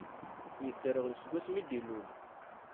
Yedderɣel seg wass mi d-ilul.